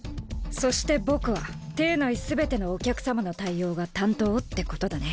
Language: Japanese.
そして僕は邸内全てのお客様の対応が担当ってことだね。